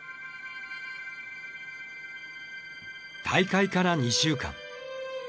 大会から２週間。